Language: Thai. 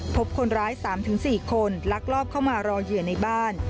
พบคนร้าย๓๔คนลักลอบเข้ามารอเหยื่อในบ้าน